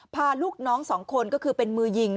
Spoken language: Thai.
พาลูกน้องสองคนก็คือเป็นมือยิง